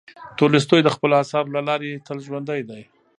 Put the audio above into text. تولستوی د خپلو اثارو له لارې تل ژوندی دی.